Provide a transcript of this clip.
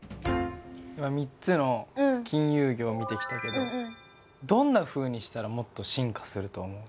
今３つの金融業を見てきたけどどんなふうにしたらもっと進化すると思う？